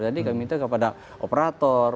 jadi kami minta kepada operator